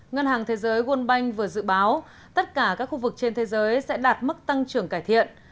ngân hàng thế giới world bank vừa dự báo tất cả các khu vực trên thế giới sẽ đạt mức tăng trưởng cải thiện